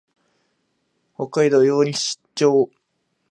北海道様似町